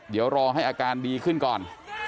เดี๋ยวรอให้อาการดีขึ้นก่อน